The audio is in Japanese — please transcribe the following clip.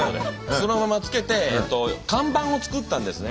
そのまま付けて看板を作ったんですね。